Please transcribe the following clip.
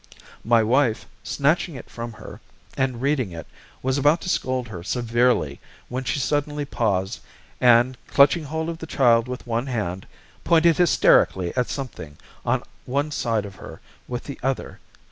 My wife, snatching it from her, and reading it, was about to scold her severely, when she suddenly paused, and clutching hold of the child with one hand, pointed hysterically at something on one side of her with the other.